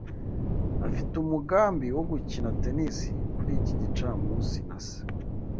Afite umugambi wo gukina tennis kuri iki gicamunsi na se.